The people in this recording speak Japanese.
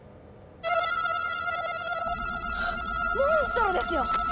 モンストロですよ！